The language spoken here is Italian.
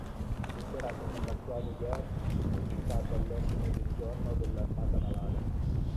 Decorato con la Croix de guerre fu citato all'ordine del giorno dell'armata navale.